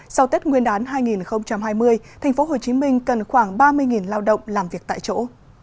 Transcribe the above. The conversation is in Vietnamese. sau tết nguyên đán hai nghìn hai mươi tp hcm cần khoảng ba mươi lao động làm việc tại chỗ